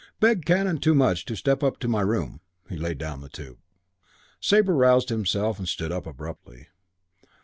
"Beg Canon Toomuch to step up to my room." He laid down the tube. Sabre roused himself and stood up abruptly.